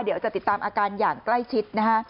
เดี๋ยวจะติดตามอาการอย่างใกล้ชิดนะฮะ